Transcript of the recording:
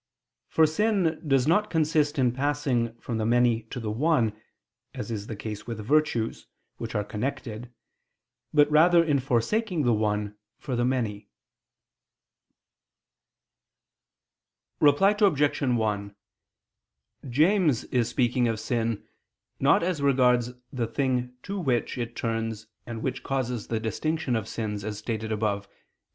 For sin does not consist in passing from the many to the one, as is the case with virtues, which are connected, but rather in forsaking the one for the many. Reply Obj. 1: James is speaking of sin, not as regards the thing to which it turns and which causes the distinction of sins, as stated above (Q.